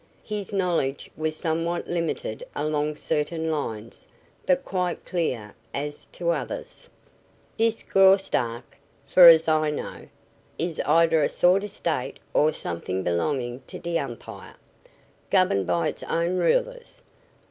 His knowledge was somewhat limited along certain lines, but quite clear as to others. "Dis Graustark, 's fer as I know, is eeder a sort o' state or somet'ing belongin' to de Umpire, governed by it's own rulers.